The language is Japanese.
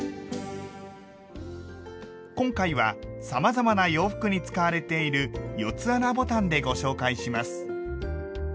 今回はさまざまな洋服に使われている４つ穴ボタンでご紹介します。